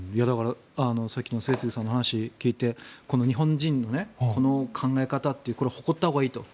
さっきの末續さんの話を聞いてこの日本人の考え方というのは誇ったほうがいいと。